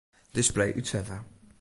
Display útsette.